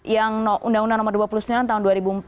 yang undang undang nomor dua puluh sembilan tahun dua ribu empat